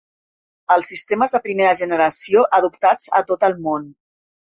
Els sistemes de Primera Generació adoptats a tot el món.